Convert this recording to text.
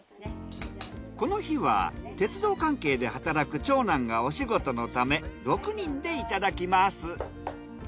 この日は鉄道関係で働く長男がお仕事のため６人でいただきます。